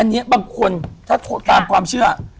อันนี้บางคนถ้าตามความเชื่อ